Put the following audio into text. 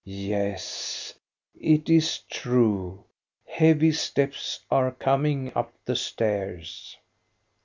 Yes, it is true, heavy steps are coming up the stairs.